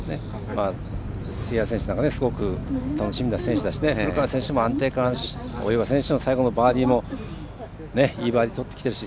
杉原選手なんかすごく楽しみな選手だし古川選手も安定感あるし大岩選手の最後のバーディーもいいバーディーとってきてるし。